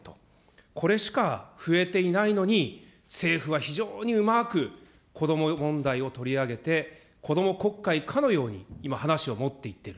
これしか増えていないのに、政府は非常にうまく子ども問題を取り上げて、子ども国会かのように、今、話を持っていってる。